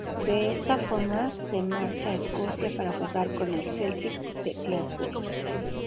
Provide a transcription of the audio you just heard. De esta forma se marcha a Escocia para jugar con el Celtic de Glasgow.